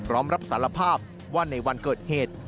พร้อมรับสารภาพว่าในวันเกิดเหตุ